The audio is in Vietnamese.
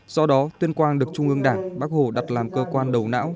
do đó tuyên quang được trung ương đảng bác hồ đặt làm cơ quan đầu não